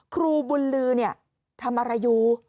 ครูบุญลือทำอะไรอยู่